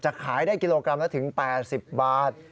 ขายได้กิโลกรัมละถึง๘๐บาท